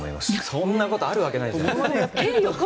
そんなことあるわけない。